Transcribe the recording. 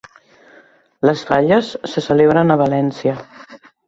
Les falles se celebren a València.